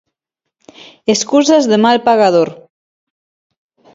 Escusas de mal pagador.